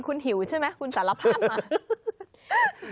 คุณหิวใช่ไหมคุณสารภาพมา